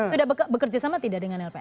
sudah bekerja sama tidak dengan lps